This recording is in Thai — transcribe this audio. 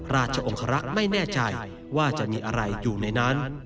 ราชองครักษ์ไม่แน่ใจว่าจะมีอะไรอยู่ในนั้น